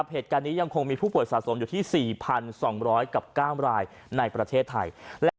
เหตุการณ์นี้ยังคงมีผู้ป่วยสะสมอยู่ที่๔๒๐๐กับ๙รายในประเทศไทย